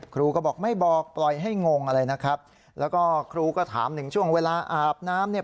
ครูก็บอกไม่บอกปล่อยให้งงอะไรนะครับแล้วก็ครูก็ถามถึงช่วงเวลาอาบน้ำเนี่ย